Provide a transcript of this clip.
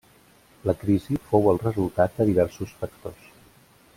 La crisi fou el resultat de diversos factors.